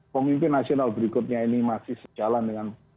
pemimpin nasional berikutnya ini masih sejalan dengan